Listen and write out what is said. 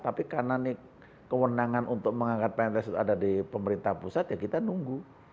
tapi karena ini kewenangan untuk mengangkat pns itu ada di pemerintah pusat ya kita nunggu